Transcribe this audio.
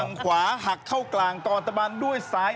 ขวาหักเข้ากลางก่อนตะบันด้วยซ้าย